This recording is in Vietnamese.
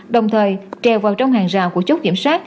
đồng thời kèo vào trong hàng rào của chốt kiểm soát